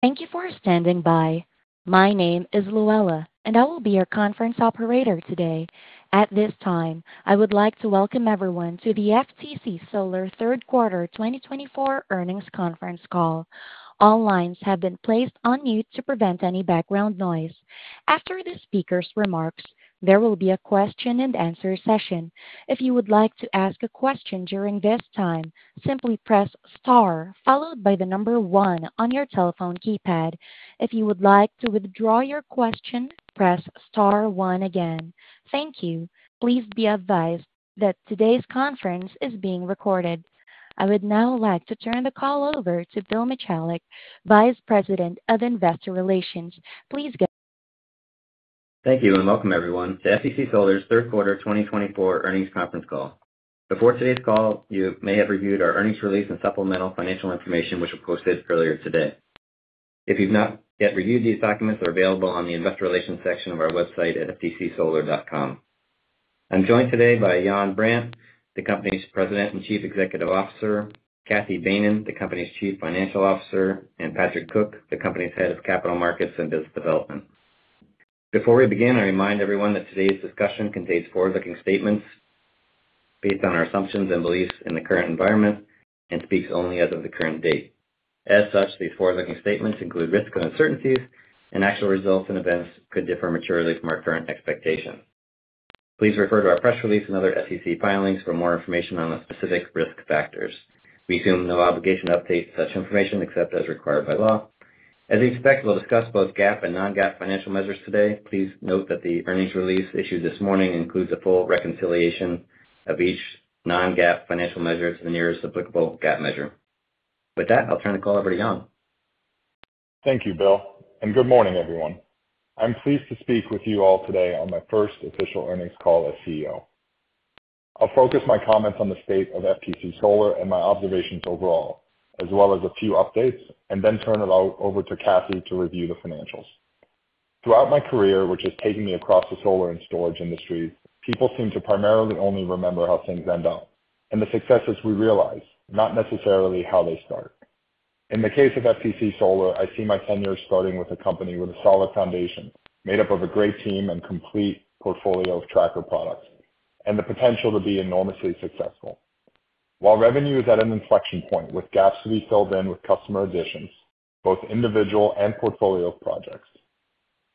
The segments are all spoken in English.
Thank you for standing by. My name is Luella, and I will be your conference operator today. At this time, I would like to welcome everyone to the FTC Solar Q3 2024 Earnings Conference Call. All lines have been placed on mute to prevent any background noise. After the speaker's remarks, there will be a question-and-answer session. If you would like to ask a question during this time, simply press star followed by the number one on your telephone keypad. If you would like to withdraw your question, press star one again. Thank you. Please be advised that today's conference is being recorded. I would now like to turn the call over to Bill Michalek, Vice President of Investor Relations. Please go. Thank you and welcome, everyone, to FTC Solar's Q3 2024 Earnings Conference Call. Before today's call, you may have reviewed our earnings release and supplemental financial information, which were posted earlier today. If you've not yet reviewed these documents, they're available on the Investor Relations section of our website at ftcsolar.com. I'm joined today by Yann Brandt, the company's President and Chief Executive Officer, Cathy Behnen, the company's Chief Financial Officer, and Patrick Cook, the company's Head of Capital Markets and Business Development. Before we begin, I remind everyone that today's discussion contains forward-looking statements based on our assumptions and beliefs in the current environment and speaks only as of the current date. As such, these forward-looking statements include risks and uncertainties, and actual results and events could differ materially from our current expectations. Please refer to our press release and other FTC filings for more information on the specific risk factors. We assume no obligation to update such information except as required by law. As you expect, we'll discuss both GAAP and non-GAAP financial measures today. Please note that the earnings release issued this morning includes a full reconciliation of each non-GAAP financial measure to the nearest applicable GAAP measure. With that, I'll turn the call over to Yann. Thank you, Bill, and good morning, everyone. I'm pleased to speak with you all today on my first official earnings call as CEO. I'll focus my comments on the state of FTC Solar and my observations overall, as well as a few updates, and then turn it over to Cathy to review the financials. Throughout my career, which has taken me across the solar and storage industries, people seem to primarily only remember how things end up and the successes we realize, not necessarily how they start. In the case of FTC Solar, I see my tenure starting with a company with a solid foundation made up of a great team and complete portfolio of tracker products and the potential to be enormously successful. While revenue is at an inflection point with gaps to be filled in with customer additions, both individual and portfolio projects,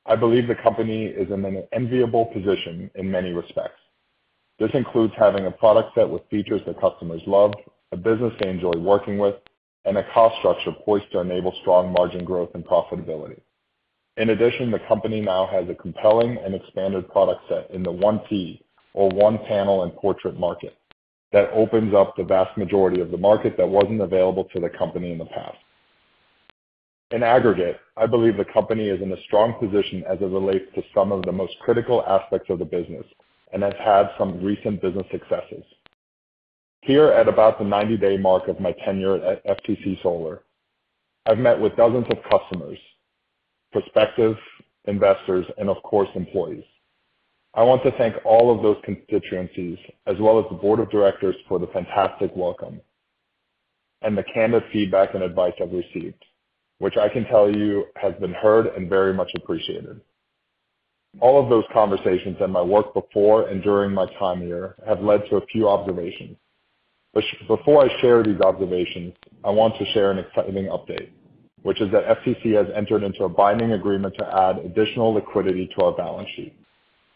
I believe the company is in an enviable position in many respects. This includes having a product set with features that customers love, a business they enjoy working with, and a cost structure poised to enable strong margin growth and profitability. In addition, the company now has a compelling and expanded product set in the one-piece or one-panel in portrait market that opens up the vast majority of the market that wasn't available to the company in the past. In aggregate, I believe the company is in a strong position as it relates to some of the most critical aspects of the business and has had some recent business successes. Here, at about the 90-day mark of my tenure at FTC Solar, I've met with dozens of customers, prospective investors, and, of course, employees. I want to thank all of those constituencies, as well as the board of directors, for the fantastic welcome and the candid feedback and advice I've received, which I can tell you has been heard and very much appreciated. All of those conversations and my work before and during my time here have led to a few observations. Before I share these observations, I want to share an exciting update, which is that FTC has entered into a binding agreement to add additional liquidity to our balance sheet.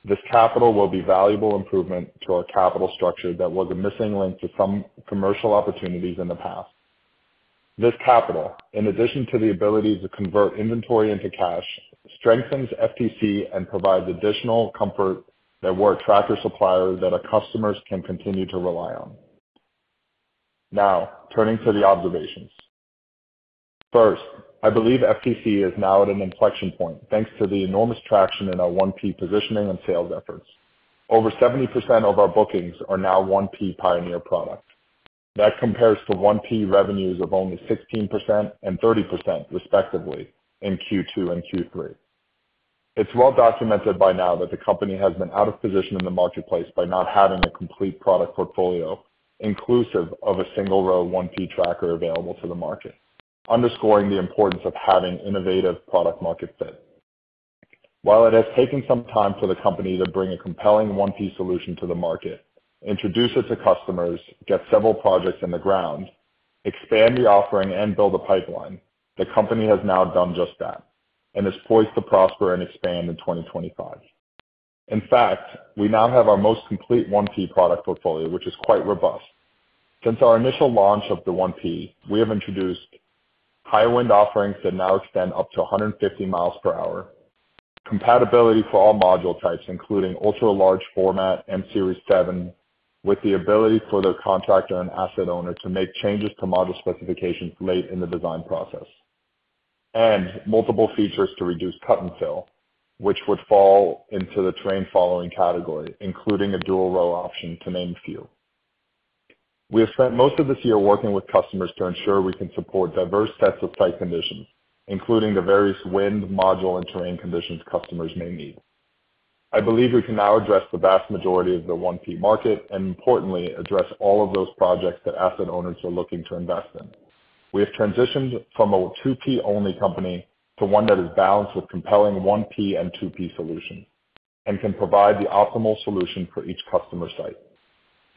This capital will be a valuable improvement to our capital structure that was a missing link to some commercial opportunities in the past. This capital, in addition to the ability to convert inventory into cash, strengthens FTC and provides additional comfort that we're a tracker supplier that our customers can continue to rely on. Now, turning to the observations. First, I believe FTC is now at an inflection point thanks to the enormous traction in our one-piece positioning and sales efforts. Over 70% of our bookings are now one-piece Pioneer product. That compares to one-piece revenues of only 16% and 30%, respectively, in Q2 and Q3. It's well documented by now that the company has been out of position in the marketplace by not having a complete product portfolio inclusive of a single-row one-piece tracker available to the market, underscoring the importance of having an innovative product-market fit. While it has taken some time for the company to bring a compelling one-piece solution to the market, introduce it to customers, get several projects in the ground, expand the offering, and build a pipeline, the company has now done just that and is poised to prosper and expand in 2025. In fact, we now have our most complete one-piece product portfolio, which is quite robust. Since our initial launch of the one-piece, we have introduced high-wind offerings that now extend up to 150 miles per hour, compatibility for all module types, including ultra-large format and Series 7, with the ability for the contractor and asset owner to make changes to module specifications late in the design process, and multiple features to reduce cut and fill, which would fall into the terrain-following category, including a dual-row option to name a few. We have spent most of this year working with customers to ensure we can support diverse sets of site conditions, including the various wind, module, and terrain conditions customers may need. I believe we can now address the vast majority of the one-piece market and, importantly, address all of those projects that asset owners are looking to invest in. We have transitioned from a two-piece-only company to one that is balanced with compelling one-piece and two-piece solutions and can provide the optimal solution for each customer site,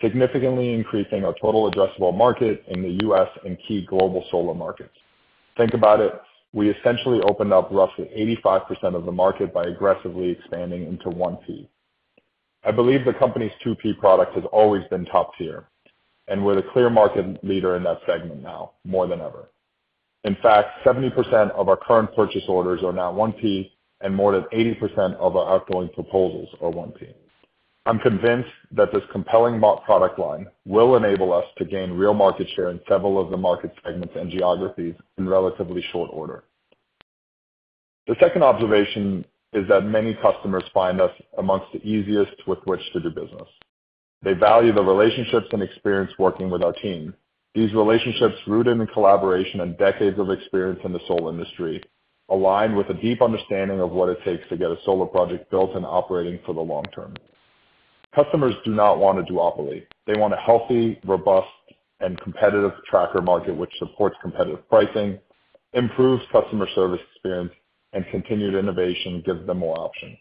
significantly increasing our total addressable market in the U.S. and key global solar markets. Think about it. We essentially opened up roughly 85% of the market by aggressively expanding into one-piece. I believe the company's two-piece product has always been top tier, and we're the clear market leader in that segment now more than ever. In fact, 70% of our current purchase orders are now one-piece, and more than 80% of our outgoing proposals are one-piece. I'm convinced that this compelling product line will enable us to gain real market share in several of the market segments and geographies in relatively short order. The second observation is that many customers find us amongst the easiest with which to do business. They value the relationships and experience working with our team. These relationships, rooted in collaboration and decades of experience in the solar industry, align with a deep understanding of what it takes to get a solar project built and operating for the long term. Customers do not want a duopoly. They want a healthy, robust, and competitive tracker market which supports competitive pricing, improves customer service experience, and continued innovation gives them more options.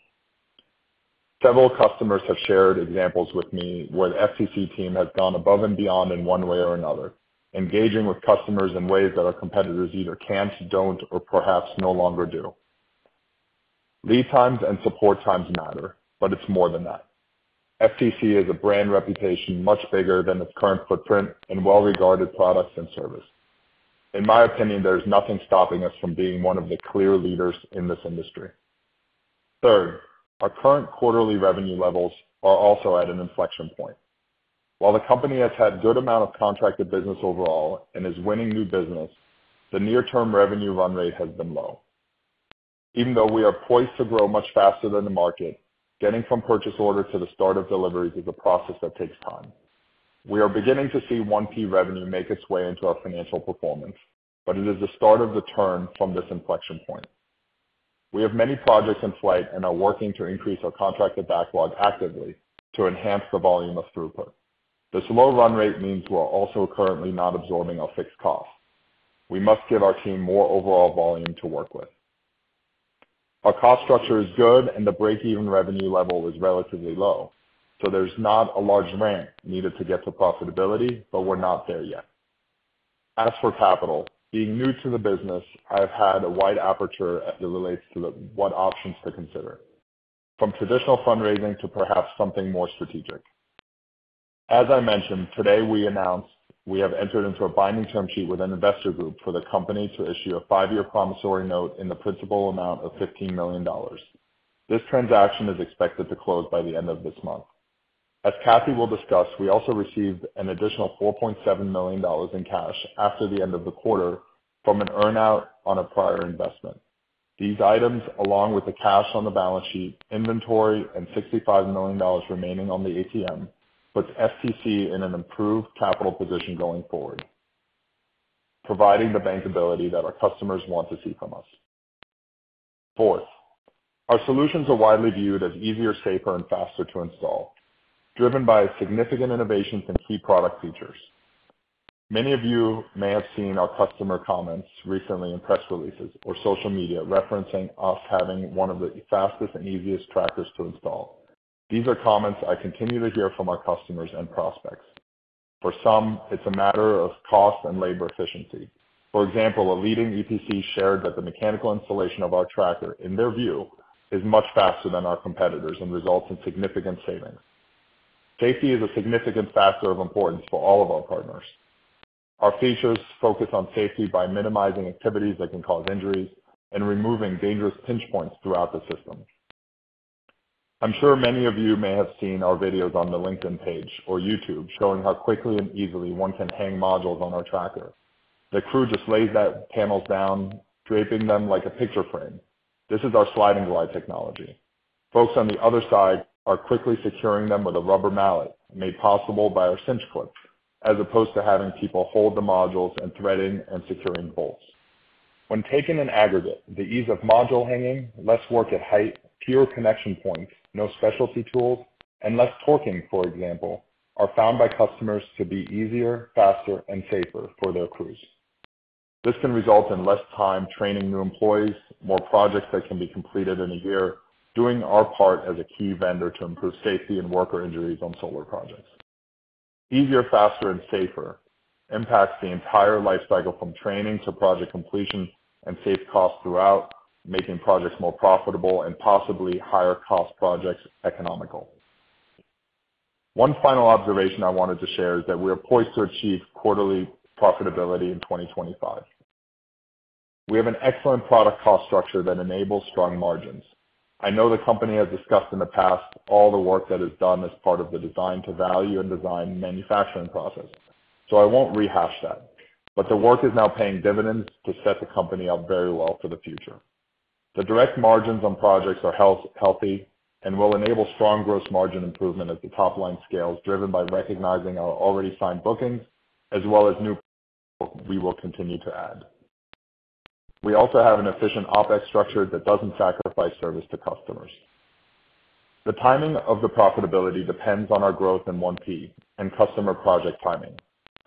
Several customers have shared examples with me where the FTC team has gone above and beyond in one way or another, engaging with customers in ways that our competitors either can't, don't, or perhaps no longer do. Lead times and support times matter, but it's more than that. FTC has a brand reputation much bigger than its current footprint and well-regarded products and services. In my opinion, there is nothing stopping us from being one of the clear leaders in this industry. Third, our current quarterly revenue levels are also at an inflection point. While the company has had a good amount of contracted business overall and is winning new business, the near-term revenue run rate has been low. Even though we are poised to grow much faster than the market, getting from purchase order to the start of deliveries is a process that takes time. We are beginning to see one-piece revenue make its way into our financial performance, but it is the start of the turn from this inflection point. We have many projects in flight and are working to increase our contracted backlog actively to enhance the volume of throughput. This low run rate means we're also currently not absorbing our fixed costs. We must give our team more overall volume to work with. Our cost structure is good, and the break-even revenue level is relatively low, so there's not a large ramp needed to get to profitability, but we're not there yet. As for capital, being new to the business, I've had a wide aperture as it relates to what options to consider, from traditional fundraising to perhaps something more strategic. As I mentioned, today we announced we have entered into a binding term sheet with an investor group for the company to issue a five-year promissory note in the principal amount of $15 million. This transaction is expected to close by the end of this month. As Cathy will discuss, we also received an additional $4.7 million in cash after the end of the quarter from an earnout on a prior investment. These items, along with the cash on the balance sheet, inventory, and $65 million remaining on the ATM, put FTC in an improved capital position going forward, providing the bankability that our customers want to see from us. Fourth, our solutions are widely viewed as easier, safer, and faster to install, driven by significant innovations and key product features. Many of you may have seen our customer comments recently in press releases or social media referencing us having one of the fastest and easiest trackers to install. These are comments I continue to hear from our customers and prospects. For some, it's a matter of cost and labor efficiency. For example, a leading EPC shared that the mechanical installation of our tracker, in their view, is much faster than our competitors and results in significant savings. Safety is a significant factor of importance for all of our partners. Our features focus on safety by minimizing activities that can cause injuries and removing dangerous pinch points throughout the system. I'm sure many of you may have seen our videos on the LinkedIn page or YouTube showing how quickly and easily one can hang modules on our tracker. The crew just lays that panel down, draping them like a picture frame. This is our Slide and Glide technology. Folks on the other side are quickly securing them with a rubber mallet made possible by our Cinch clips, as opposed to having people hold the modules and threading and securing bolts. When taken in aggregate, the ease of module hanging, less work at height, fewer connection points, no specialty tools, and less torquing, for example, are found by customers to be easier, faster, and safer for their crews. This can result in less time training new employees, more projects that can be completed in a year, doing our part as a key vendor to improve safety and worker injuries on solar projects. Easier, faster, and safer impacts the entire lifecycle from training to project completion and saves costs throughout, making projects more profitable and possibly higher-cost projects economical. One final observation I wanted to share is that we are poised to achieve quarterly profitability in 2025. We have an excellent product cost structure that enables strong margins. I know the company has discussed in the past all the work that is done as part of the design-to-value and design-to-manufacturing process, so I won't rehash that, but the work is now paying dividends to set the company up very well for the future. The direct margins on projects are healthy and will enable strong gross margin improvement at the top-line scales, driven by recognizing our already signed bookings as well as new bookings we will continue to add. We also have an efficient OpEx structure that doesn't sacrifice service to customers. The timing of the profitability depends on our growth in one-piece and customer project timing.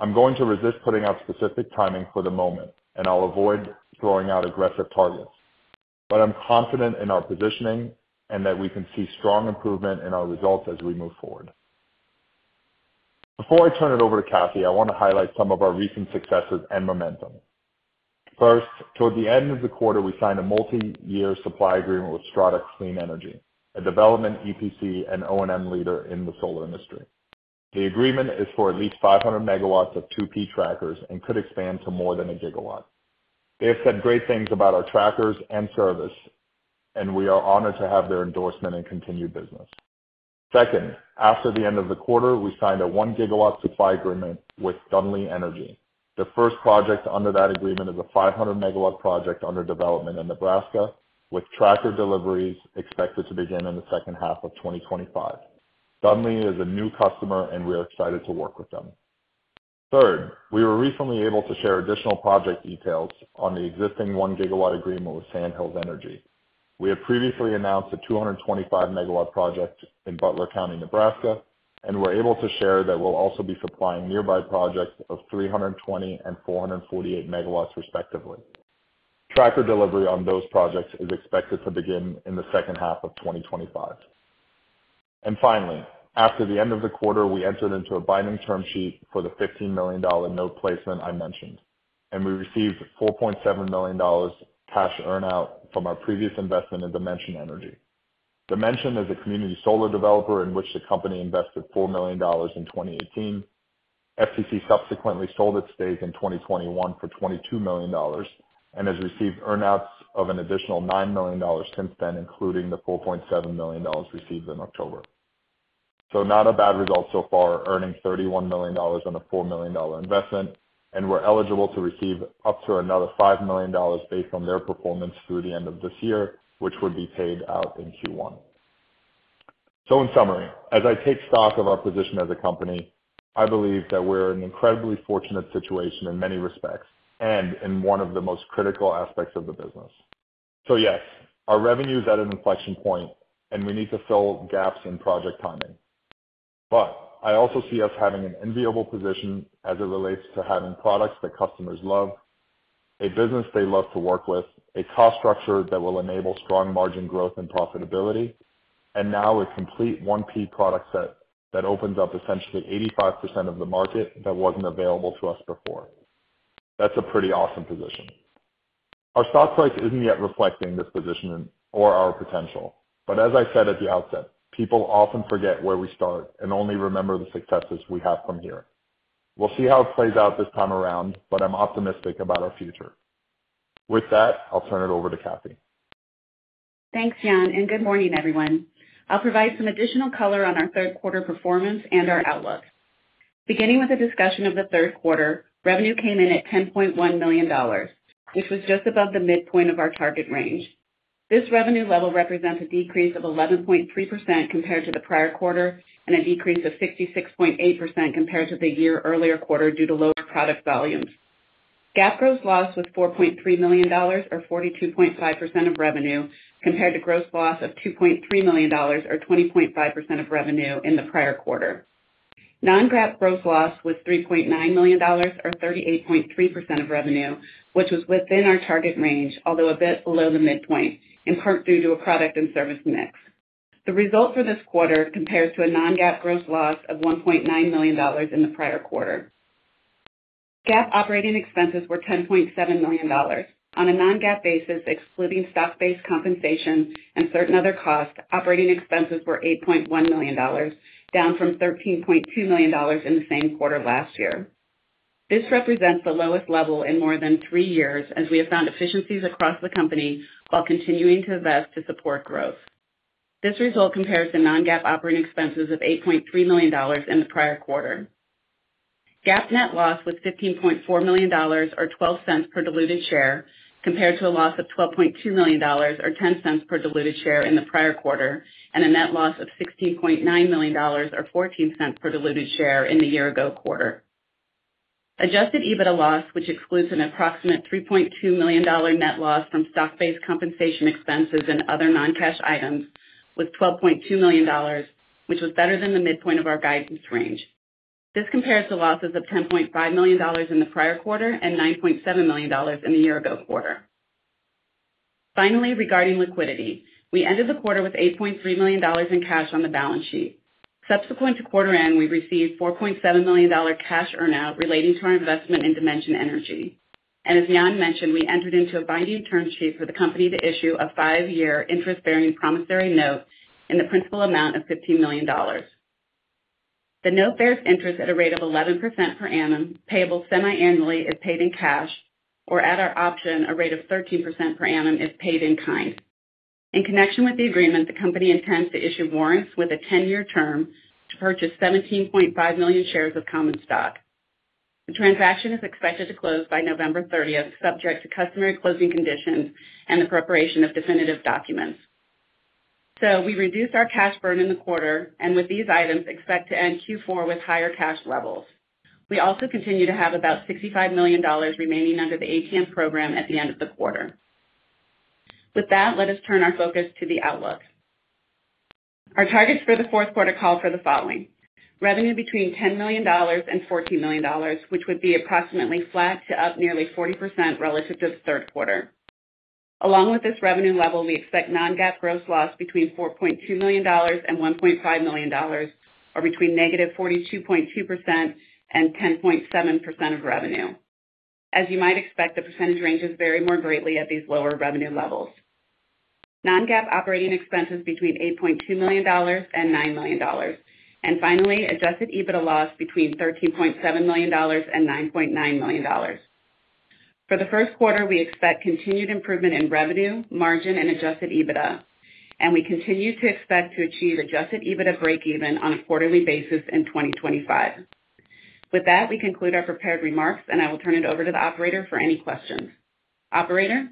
I'm going to resist putting out specific timing for the moment, and I'll avoid throwing out aggressive targets, but I'm confident in our positioning and that we can see strong improvement in our results as we move forward. Before I turn it over to Cathy, I want to highlight some of our recent successes and momentum. First, toward the end of the quarter, we signed a multi-year supply agreement with Strata Clean Energy, a development EPC and O&M leader in the solar industry. The agreement is for at least 500 megawatts of two-piece trackers and could expand to more than a gigawatt. They have said great things about our trackers and service, and we are honored to have their endorsement and continued business. Second, after the end of the quarter, we signed a one-gigawatt supply agreement with Dunlay Energy. The first project under that agreement is a 500-megawatt project under development in Nebraska, with tracker deliveries expected to begin in the H2 of 2025. Dunlay is a new customer, and we are excited to work with them. Third, we were recently able to share additional project details on the existing 1-gigawatt agreement with Sandhills Energy. We had previously announced a 225-megawatt project in Butler County, Nebraska, and we're able to share that we'll also be supplying nearby projects of 320 and 448 megawatts, respectively. Tracker delivery on those projects is expected to begin in the H2 of 2025. And finally, after the end of the quarter, we entered into a binding term sheet for the $15 million note placement I mentioned, and we received $4.7 million cash earnout from our previous investment in Dimension Energy. Dimension Energy is a community solar developer in which the company invested $4 million in 2018. FTC subsequently sold its stake in 2021 for $22 million and has received earnouts of an additional $9 million since then, including the $4.7 million received in October. So, not a bad result so far, earning $31 million on a $4 million investment, and we're eligible to receive up to another $5 million based on their performance through the end of this year, which would be paid out in Q1. So, in summary, as I take stock of our position as a company, I believe that we're in an incredibly fortunate situation in many respects and in one of the most critical aspects of the business. So, yes, our revenue is at an inflection point, and we need to fill gaps in project timing. But I also see us having an enviable position as it relates to having products that customers love, a business they love to work with, a cost structure that will enable strong margin growth and profitability, and now a complete one-piece product set that opens up essentially 85% of the market that wasn't available to us before. That's a pretty awesome position. Our stock price isn't yet reflecting this position or our potential, but as I said at the outset, people often forget where we start and only remember the successes we have from here. We'll see how it plays out this time around, but I'm optimistic about our future. With that, I'll turn it over to Cathy. Thanks, Yann, and good morning, everyone. I'll provide some additional color on our third-quarter performance and our outlook. Beginning with a discussion of the Q3, revenue came in at $10.1 million, which was just above the midpoint of our target range. This revenue level represents a decrease of 11.3% compared to the prior quarter and a decrease of 66.8% compared to the year earlier quarter due to lower product volumes. GAAP gross loss was $4.3 million, or 42.5% of revenue, compared to gross loss of $2.3 million, or 20.5% of revenue in the prior quarter. Non-GAAP gross loss was $3.9 million, or 38.3% of revenue, which was within our target range, although a bit below the midpoint, in part due to a product and service mix. The result for this quarter compares to a non-GAAP gross loss of $1.9 million in the prior quarter. GAAP operating expenses were $10.7 million. On a non-GAAP basis, excluding stock-based compensation and certain other costs, operating expenses were $8.1 million, down from $13.2 million in the same quarter last year. This represents the lowest level in more than three years as we have found efficiencies across the company while continuing to invest to support growth. This result compares to non-GAAP operating expenses of $8.3 million in the prior quarter. GAAP net loss was $15.4 million, or 12 cents per diluted share, compared to a loss of $12.2 million, or 10 cents per diluted share in the prior quarter, and a net loss of $16.9 million, or 14 cents per diluted share in the year-ago quarter. Adjusted EBITDA loss, which excludes an approximate $3.2 million net loss from stock-based compensation expenses and other non-cash items, was $12.2 million, which was better than the midpoint of our guidance range. This compares to losses of $10.5 million in the prior quarter and $9.7 million in the year-ago quarter. Finally, regarding liquidity, we ended the quarter with $8.3 million in cash on the balance sheet. Subsequent to quarter end, we received $4.7 million cash earnout relating to our investment in Dimension Energy, and as Yann mentioned, we entered into a binding term sheet for the company to issue a five-year interest-bearing promissory note in the principal amount of $15 million. The note bears interest at a rate of 11% per annum, payable semi-annually, if paid in cash, or at our option, a rate of 13% per annum, if paid in kind. In connection with the agreement, the company intends to issue warrants with a 10-year term to purchase 17.5 million shares of common stock. The transaction is expected to close by November 30, subject to customary closing conditions and the preparation of definitive documents. So, we reduced our cash burn in the quarter, and with these items, expect to end Q4 with higher cash levels. We also continue to have about $65 million remaining under the ATM program at the end of the quarter. With that, let us turn our focus to the outlook. Our targets for the Q4 call for the following: revenue between $10 million and $14 million, which would be approximately flat to up nearly 40% relative to the Q3. Along with this revenue level, we expect Non-GAAP gross loss between $4.2 million and $1.5 million, or between negative 42.2% and 10.7% of revenue. As you might expect, the percentage ranges vary more greatly at these lower revenue levels. Non-GAAP operating expenses between $8.2 million and $9 million. And finally, adjusted EBITDA loss between $13.7 million and $9.9 million. For the Q1, we expect continued improvement in revenue, margin, and adjusted EBITDA, and we continue to expect to achieve adjusted EBITDA break-even on a quarterly basis in 2025. With that, we conclude our prepared remarks, and I will turn it over to the operator for any questions. Operator?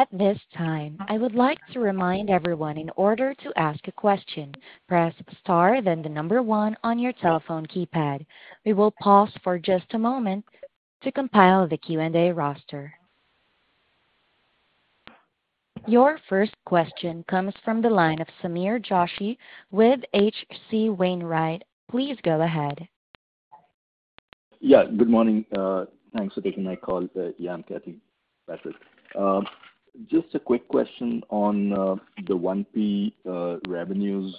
At this time, I would like to remind everyone in order to ask a question, press star, then the number one on your telephone keypad. We will pause for just a moment to compile the Q&A roster. Your first question comes from the line of Sameer Joshi with H.C. Wainwright. Please go ahead. Yeah, good morning. Thanks for taking my call. Yann, Cathy and Patrick. Just a quick question on the one-piece revenues.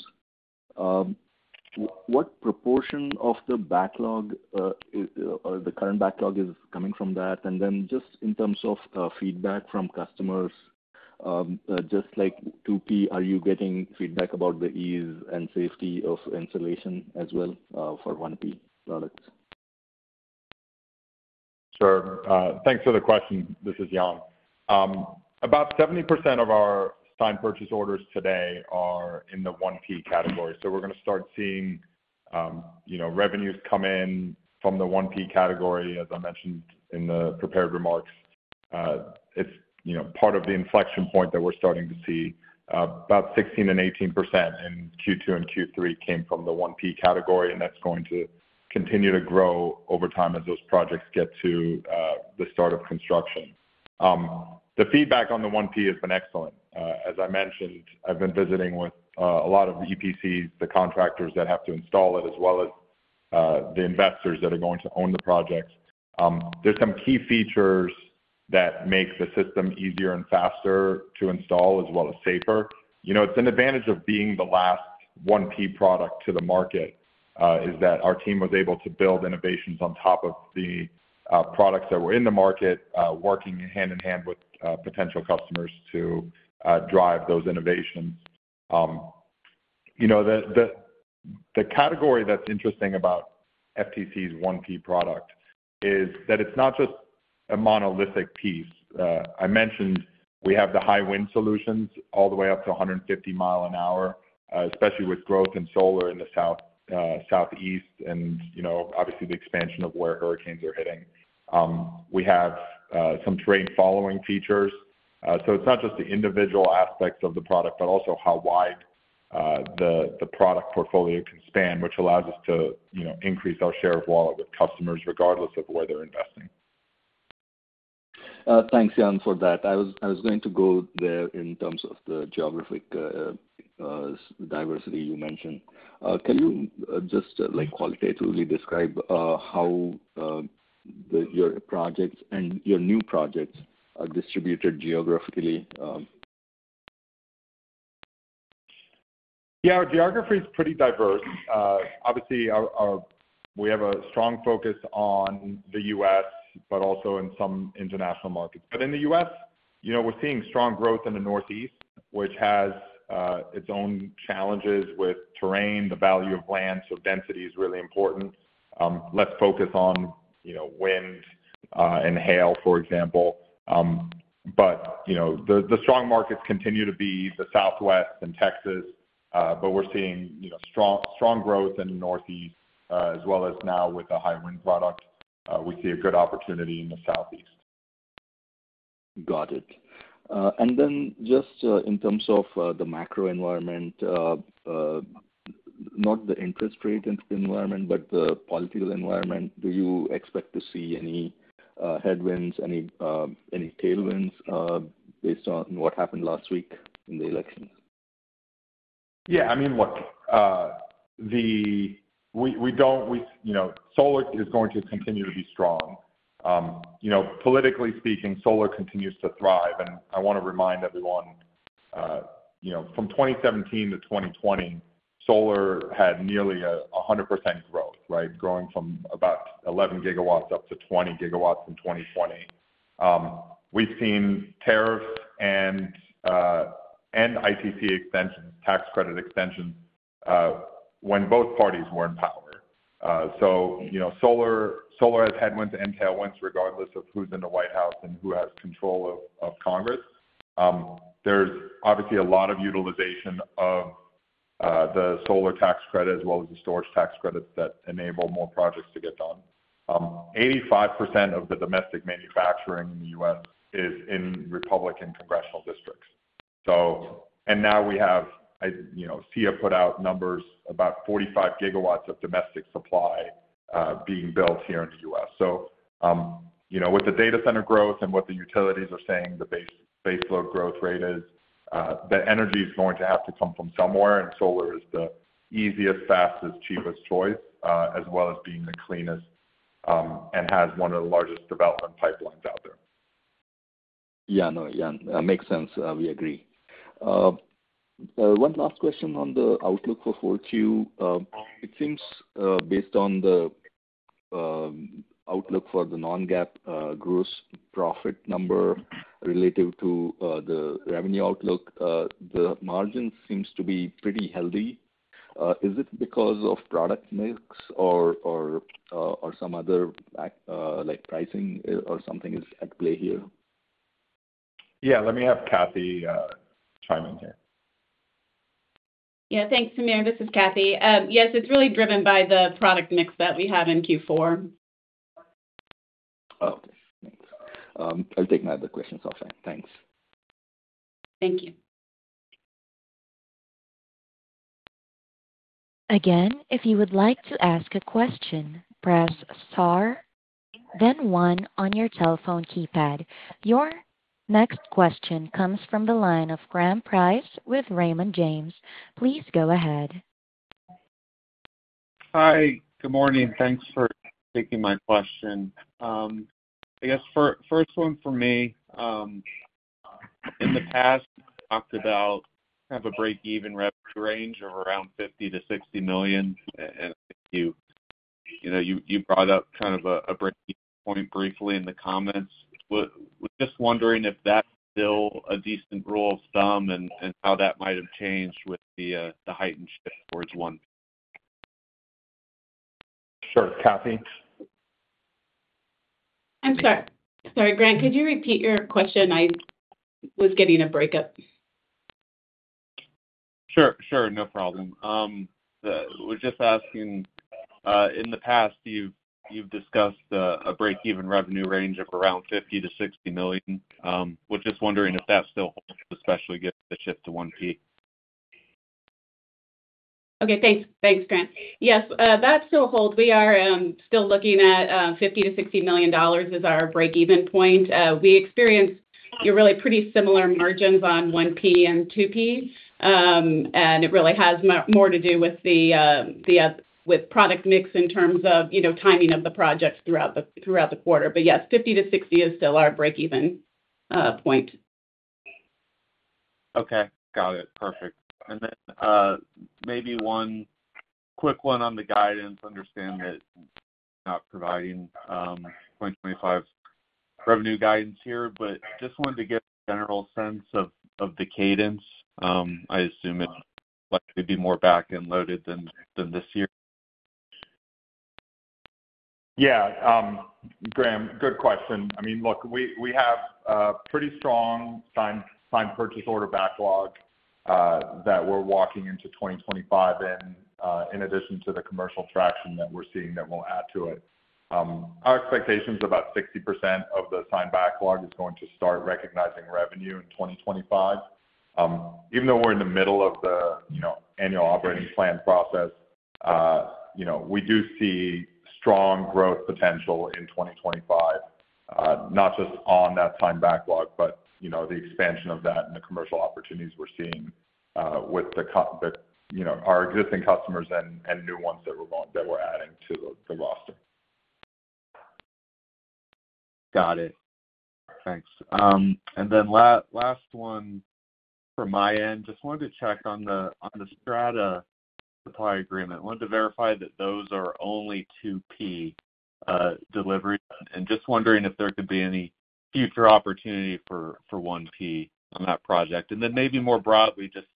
What proportion of the backlog, or the current backlog, is coming from that? Then just in terms of feedback from customers, just like two-piece, are you getting feedback about the ease and safety of installation as well for one-piece products? Sure. Thanks for the question. This is Yann. About 70% of our signed purchase orders today are in the one-piece category. So we're going to start seeing revenues come in from the one-piece category, as I mentioned in the prepared remarks. It's part of the inflection point that we're starting to see. About 16% and 18% in Q2 and Q3 came from the one-piece category, and that's going to continue to grow over time as those projects get to the start of construction. The feedback on the one-piece has been excellent. As I mentioned, I've been visiting with a lot of EPCs, the contractors that have to install it, as well as the investors that are going to own the projects. There's some key features that make the system easier and faster to install, as well as safer. It's an advantage of being the last one-piece product to the market, is that our team was able to build innovations on top of the products that were in the market, working hand in hand with potential customers to drive those innovations. The category that's interesting about FTC's one-piece product is that it's not just a monolithic piece. I mentioned we have the high-wind solutions all the way up to 150 miles an hour, especially with growth in solar in the Southeast and obviously the expansion of where hurricanes are hitting. We have some true-following features. So it's not just the individual aspects of the product, but also how wide the product portfolio can span, which allows us to increase our share of wallet with customers regardless of where they're investing. Thanks, Yann, for that. I was going to go there in terms of the geographic diversity you mentioned. Can you just qualitatively describe how your projects and your new projects are distributed geographically? Yeah, our geography is pretty diverse. Obviously, we have a strong focus on the U.S., but also in some international markets. But in the U.S., we're seeing strong growth in the Northeast, which has its own challenges with terrain, the value of land. So density is really important. Less focus on wind and hail, for example. But the strong markets continue to be the Southwest and Texas, but we're seeing strong growth in the Northeast, as well as now with a high-wind product. We see a good opportunity in the Southeast. Got it. And then just in terms of the macro environment, not the interest rate environment, but the political environment, do you expect to see any headwinds, any tailwinds based on what happened last week in the elections? Yeah, I mean, look, we don't. Solar is going to continue to be strong. Politically speaking, solar continues to thrive. And I want to remind everyone, from 2017 to 2020, solar had nearly 100% growth, right? Growing from about 11 gigawatts up to 20 gigawatts in 2020. We've seen tariffs and ITC extensions, tax credit extensions when both parties were in power. So solar has headwinds and tailwinds regardless of who's in the White House and who has control of Congress. There's obviously a lot of utilization of the solar tax credit as well as the storage tax credits that enable more projects to get done. 85% of the domestic manufacturing in the U.S. is in Republican congressional districts. And now we have SEIA put out numbers about 45 gigawatts of domestic supply being built here in the U.S. So with the data center growth and what the utilities are saying, the base load growth rate is that energy is going to have to come from somewhere, and solar is the easiest, fastest, cheapest choice, as well as being the cleanest and has one of the largest development pipelines out there. Yeah, no, Yann, makes sense. We agree. One last question on the outlook for 4Q. It seems based on the outlook for the non-GAAP gross profit number relative to the revenue outlook, the margin seems to be pretty healthy. Is it because of product mix or some other pricing or something is at play here? Yeah, let me have Cathy chime in here. Yeah, thanks, Sameer. This is Cathy. Yes, it's really driven by the product mix that we have in Q4. Okay. Thanks. I'll take my other questions offline. Thanks. Thank you. Again, if you would like to ask a question, press star, then one on your telephone keypad. Your next question comes from the line of Graham Price with Raymond James. Please go ahead. Hi. Good morning. Thanks for taking my question. I guess first one for me, in the past, we talked about kind of a break-even range of around $50 million-$60 million. And I think you brought up kind of a break-even point briefly in the comments. Just wondering if that's still a decent rule of thumb and how that might have changed with the heightened shift towards one-piece. Sure. Cathy? I'm sorry. Sorry, Graham. Could you repeat your question? I was getting a breakup. Sure. Sure. No problem. I was just asking, in the past, you've discussed a break-even revenue range of around $50 million-$60 million. We're just wondering if that still holds, especially given the shift to one-piece. Okay. Thanks. Thanks, Graham. Yes, that still holds. We are still looking at $50 million-$60 million as our break-even point. We experienced really pretty similar margins on one-piece and two-piece. And it really has more to do with the product mix in terms of timing of the projects throughout the quarter. But yes, $50 million-$60 million is still our break-even point. Okay. Got it. Perfect. And then maybe one quick one on the guidance. Understand that we're not providing 2025 revenue guidance here, but just wanted to get a general sense of the cadence. I assume it'd be more back-end loaded than this year. Yeah. Graham, good question. I mean, look, we have a pretty strong signed purchase order backlog that we're walking into 2025 in, in addition to the commercial traction that we're seeing that we'll add to it. Our expectation is about 60% of the signed backlog is going to start recognizing revenue in 2025. Even though we're in the middle of the annual operating plan process, we do see strong growth potential in 2025, not just on that signed backlog, but the expansion of that and the commercial opportunities we're seeing with our existing customers and new ones that we're adding to the roster. Got it. Thanks. And then last one from my end. Just wanted to check on the Strata supply agreement. I wanted to verify that those are only two-piece deliveries. And just wondering if there could be any future opportunity for one-piece on that project. And then maybe more broadly, just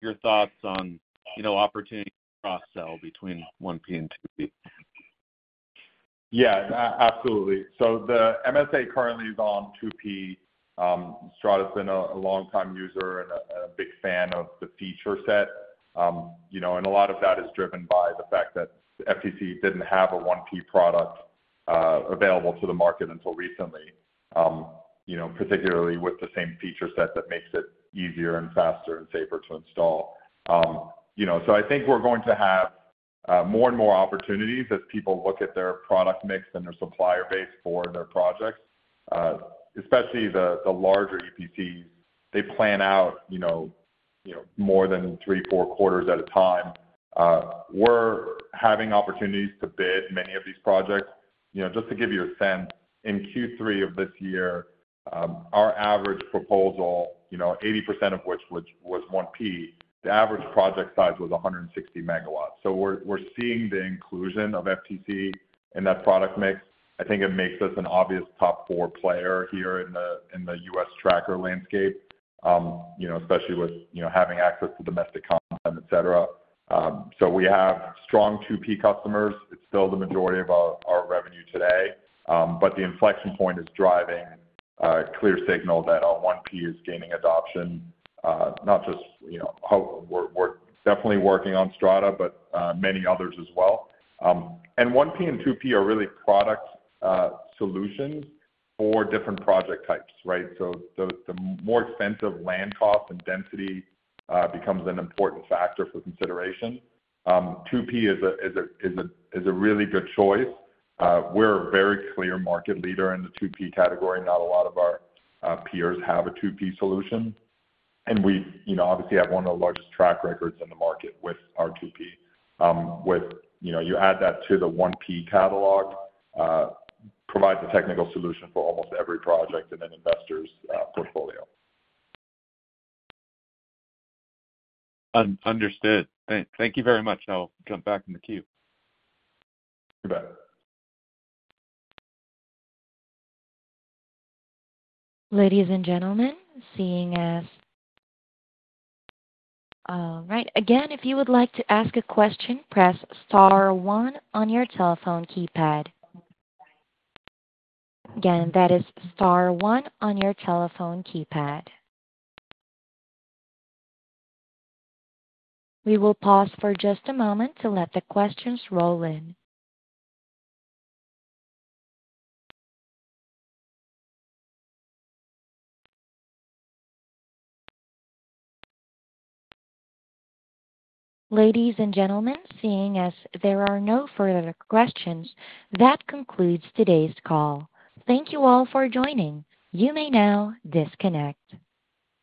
your thoughts on opportunity cross-sell between one-piece and two-piece. Yeah, absolutely. So the MSA currently is on two-piece. Strata's been a long-time user and a big fan of the feature set. And a lot of that is driven by the fact that FTC didn't have a one-piece product available to the market until recently, particularly with the same feature set that makes it easier and faster and safer to install. So I think we're going to have more and more opportunities as people look at their product mix and their supplier base for their projects, especially the larger EPCs. They plan out more than three, four quarters at a time. We're having opportunities to bid many of these projects. Just to give you a sense, in Q3 of this year, our average proposal, 80% of which was one-piece, the average project size was 160 megawatts. So we're seeing the inclusion of FTC in that product mix. I think it makes us an obvious top four player here in the U.S. tracker landscape, especially with having access to domestic content, etc. So we have strong two-piece customers. It's still the majority of our revenue today. But the inflection point is driving a clear signal that our one-piece is gaining adoption, not just, we're definitely working on Strata, but many others as well. And one-piece and two-piece are really product solutions for different project types, right? So the more expensive land cost and density becomes an important factor for consideration. Two-piece is a really good choice. We're a very clear market leader in the two-piece category. Not a lot of our peers have a two-piece solution, and we obviously have one of the largest track records in the market with our two-piece. You add that to the one-piece catalog, provides a technical solution for almost every project in an investor's portfolio. Understood. Thank you very much. I'll jump back in the queue. You bet. Ladies and gentlemen, seeing as, all right. Again, if you would like to ask a question, press star one on your telephone keypad. Again, that is star one on your telephone keypad. We will pause for just a moment to let the questions roll in. Ladies and gentlemen, seeing as there are no further questions, that concludes today's call. Thank you all for joining. You may now disconnect.